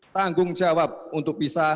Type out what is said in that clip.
tanggung jawab untuk bisa